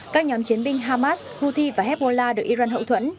các nhóm chiến binh hamas houthi và hezbollah được iran hậu thuẫn